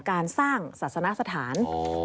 การสร้างศาสนสถาน